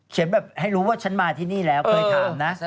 แบบให้รู้ว่าฉันมาที่นี่แล้วเคยถามนะ